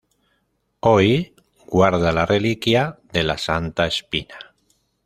Hoy guarda la reliquia de la Santa Espina.